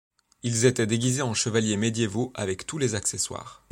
Ils étaient déguisés en chevaliers médiévaux avec tous les accessoires.